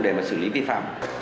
để mà xử lý vi phạm